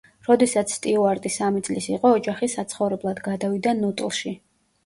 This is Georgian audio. როდესაც სტიუარტი სამი წლის იყო, ოჯახი საცხოვრებლად გადავიდა ნუტლში.